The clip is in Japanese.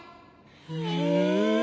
へえ。